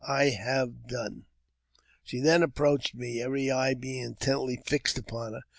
I have done." She then approached me, every eye being intently fixed upon her.